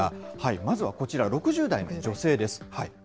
まずはこちら、６０代の女性です。